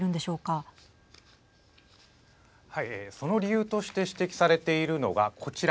その理由として指摘されているのは、こちら。